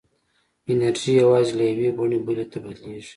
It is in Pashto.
انرژي یوازې له یوې بڼې بلې ته بدلېږي.